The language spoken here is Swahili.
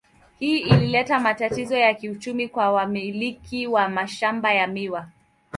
Hii ilileta matatizo ya kiuchumi kwa wamiliki wa mashamba ya miwa.